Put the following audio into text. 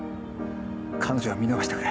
彼女は見逃してくれ。